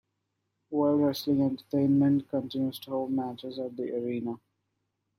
World Wrestling Entertainment continues to hold matches at the arena.